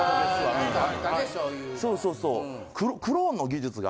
そうそう。